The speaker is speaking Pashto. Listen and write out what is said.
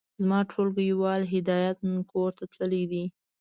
زما ټولګيوال هدايت نن کورته تللی دی.